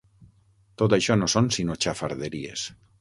Tot això no són sinó xafarderies.